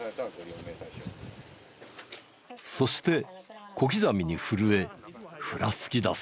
そして小刻みに震えフラつきだす。